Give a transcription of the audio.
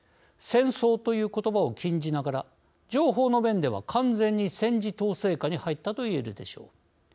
戦争ということばを禁じながら情報の面では完全に戦時統制下に入ったと言えるでしょう。